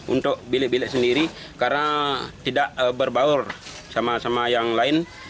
untuk bilik bilik sendiri karena tidak berbaur sama sama yang lain